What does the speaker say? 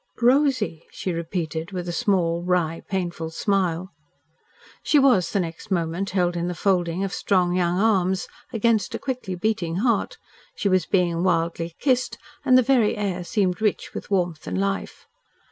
"Rosy!" she repeated, with a small, wry, painful smile. She was the next moment held in the folding of strong, young arms, against a quickly beating heart. She was being wildly kissed, and the very air seemed rich with warmth and life.